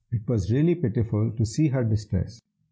it was really pitiful to see her distress.